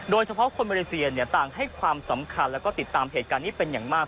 โดยเฉพาะคนมาเลเซียต่างให้ความสำคัญแล้วก็ติดตามเหตุการณ์นี้เป็นอย่างมาก